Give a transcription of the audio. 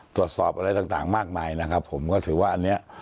ตรวจสอบอะไรต่างมากมายนะครับผมก็ถือว่าอันนี้